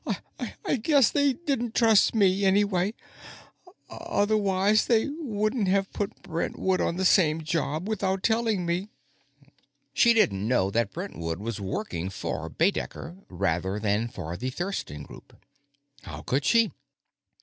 "I guess they didn't trust me, anyway. Otherwise they wouldn't have put Brentwood on the same job without telling me." She didn't know that Brentwood was working for Baedecker rather than for the Thurston group. How could she?